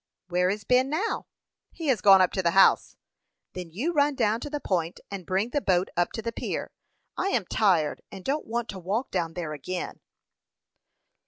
"Where is Ben, now?" "He has gone up to the house." "Then you run down to the Point, and bring the boat up to the pier. I am tired, and don't want to walk down there again."